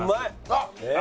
あっ！